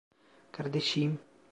Kardeşiyim.